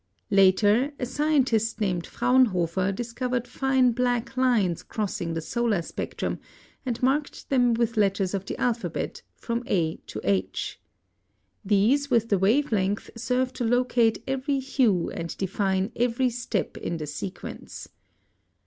Later a scientist named Fraunhofer discovered fine black lines crossing the solar spectrum, and marked them with letters of the alphabet from a to h. These with the wave length serve to locate every hue and define every step in the sequence.